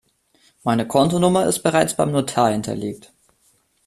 Meine Kontonummer ist bereits beim Notar hinterlegt.